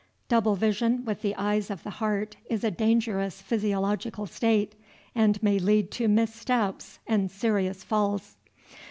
Double vision with the eyes of the heart is a dangerous physiological state, and may lead to missteps and serious falls.